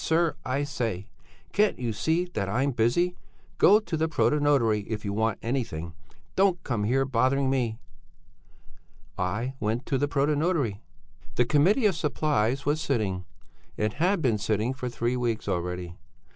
sir, I say! Can't you see that I'm busy. Go to the protonotary if you want anything! Don't come here bothering me!' "I went to the protonotary. "The Committee of Supplies was sitting; it had been sitting for three weeks already.